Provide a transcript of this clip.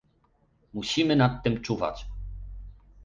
Musimy nad tym czuwać